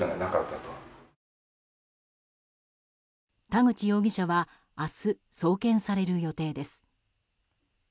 田口容疑者は明日送検される予定です。